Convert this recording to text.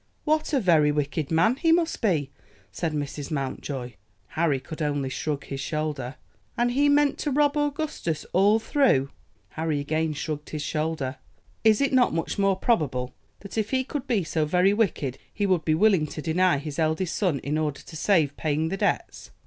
"What a very wicked man he must be!" said Mrs. Mountjoy. Harry could only shrug his shoulder. "And he meant to rob Augustus all through?" Harry again shrugged his shoulder. "Is it not much more probable that if he could be so very wicked he would be willing to deny his eldest son in order to save paying the debts?"